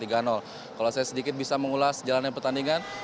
kalau saya sedikit bisa mengulas jalanan pertandingan